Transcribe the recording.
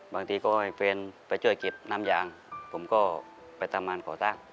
บางทีก็ให้แฟนไปช่วยเก็บน้ำยางผมก็ไปทำงานก่อสร้าง